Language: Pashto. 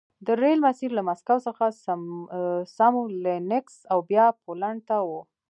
د ریل مسیر له مسکو څخه سمولینکس او بیا پولنډ ته و